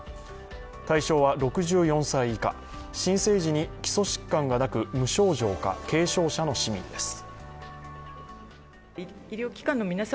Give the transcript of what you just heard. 対象は６４歳以下、申請時に基礎疾患がなく無症状か、軽症者の市民です。